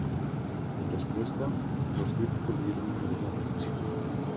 En respuesta, los críticos le dieron una buena recepción.